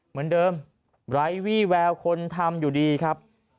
เหมือนเดิมไร้วี่แววคนทำอยู่ดีครับ